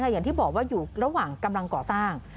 อย่างที่บอกว่าอยู่ระหว่างกำลังก่อสร้าง